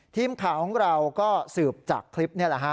ทีมข่าวของเราก็สืบจากคลิปนี่แหละฮะ